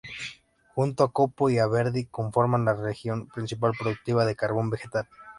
Junto a Copo y Alberdi, conforman la región principal productiva de carbón vegetal.